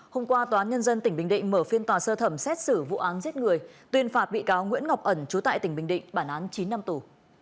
hôm qua tòa án nhân dân tỉnh bình định mở phiên tòa sơ thẩm xét xử vụ án giết người tuyên phạt bị cáo nguyễn ngọc ẩn trú tại tỉnh bình định bản án chín năm tù